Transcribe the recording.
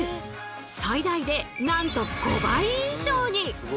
最大でなんと５倍以上に。